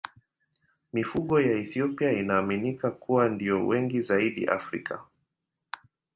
Mifugo ya Ethiopia inaaminika kuwa ndiyo wengi zaidi Afrika.